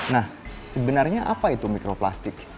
nah sebenarnya apa itu mikroplastik